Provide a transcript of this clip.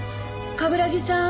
冠城さん！」